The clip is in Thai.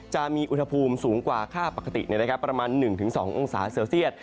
จะมีอุณหภูมิสูงกว่าค่าปกติประมาณ๑๒องศาเซลเซียต